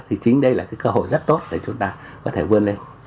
thì chính đây là cái cơ hội rất tốt để chúng ta có thể vươn lên